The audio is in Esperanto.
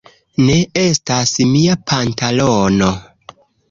Ne! Estas mia pantalono!